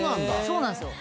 そうなんですよ。